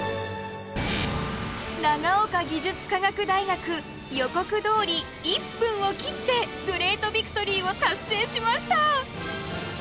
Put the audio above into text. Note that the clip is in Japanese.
長岡技術科学大学予告どおり１分を切ってグレートビクトリーを達成しました！